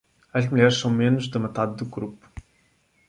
As mulheres são menos da metade do grupo.